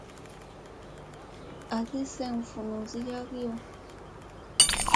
Azi seŋ vunuzi ha kiyo.